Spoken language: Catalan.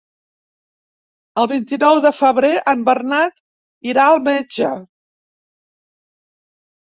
El vint-i-nou de febrer en Bernat irà al metge.